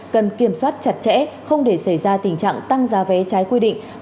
cần kiểm soát chặt chẽ không để xảy ra tình trạng tăng giá vé trái quy định